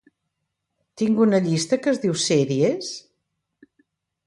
Tinc una llista que es diu "sèries"?